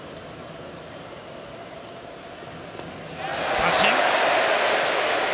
三振！